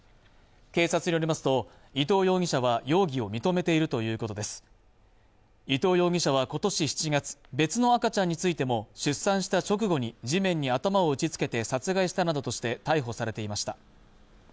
警察によりますと伊藤容疑者は容疑を認めているということです伊藤容疑者は今年７月、別の赤ちゃんについても出産した直後に地面に頭を打ち付けて殺害したなどとして逮捕されていました